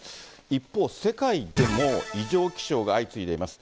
一方、世界でも異常気象が相次いでいます。